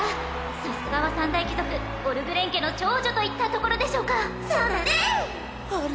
さすがは三大貴族オルグレン家の長女といったところでしょうかそうだねアル